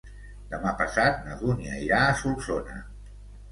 Demà passat na Dúnia irà a Solsona.